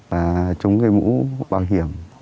và trúng cây mũ bảo hiểm